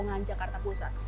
kita harus berpengalaman